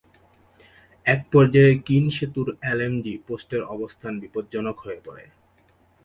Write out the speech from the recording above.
একপর্যায়ে কিন সেতুর এলএমজি পোস্টের অবস্থান বিপজ্জনক হয়ে পড়ে।